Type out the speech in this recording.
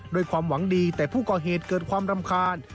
ด้วยความหวังดีแต่ผู้ก่อเหตุเกิดความรำคาญ